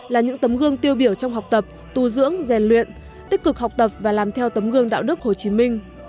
là những tấm gương tiêu biểu trong học tập tu dưỡng rèn luyện tích cực học tập và làm theo tấm gương đạo đức hồ chí minh